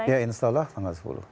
ya insya allah tanggal sepuluh